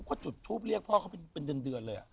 ก็จุดทุบเรียกพ่อเขาเป็นจนเดือนเลย